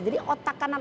jadi otak kanan